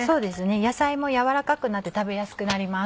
野菜も軟らかくなって食べやすくなります。